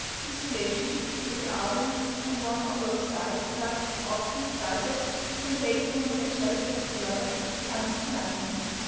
This relationship may be ardent on one or both sides, but often, doubtless, from the latent homosexuality of the lover it comes to nothing.